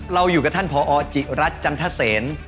เราอยู่กับท่านพอจิรัตนจันทเซน